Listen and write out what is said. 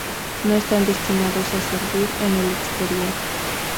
No están destinados a servir en el exterior.